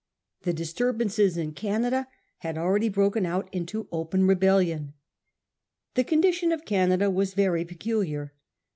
The disturbances in Canada had already broken out into open rebellion. The condition of Canada was very peculiar.